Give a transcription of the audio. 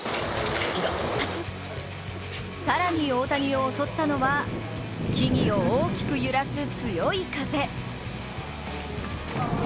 更に大谷を襲ったのは木々を大きく揺らす強い風。